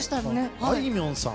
あいみょんさん。